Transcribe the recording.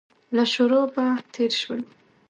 له شورابه تېر شولو.